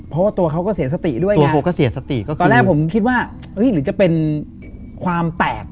เพราะว่าตัวเขาก็เสียสติด้วยนะตอนแรกผมคิดว่าหรือจะเป็นความแตก